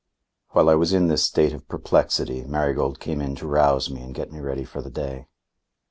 While I was in this state of perplexity, Marigold came in to rouse me and get me ready for the day.